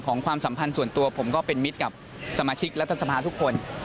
ความสัมพันธ์ส่วนตัวผมก็เป็นมิตรกับสมาชิกรัฐสภาทุกคน